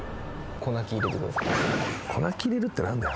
子泣き入れるって何だよ？